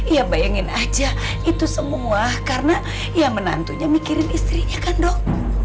ya bayangin aja itu semua karena ya menantunya mikirin istrinya kan dong